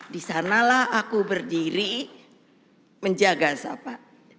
disanalah aku berdiri menjaga siapa